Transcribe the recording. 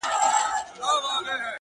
موږ د یوه بل د روح مخونه یو پر هره دنیا!